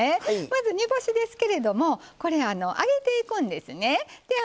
まず煮干しですけれどもこれ揚げていくんですね。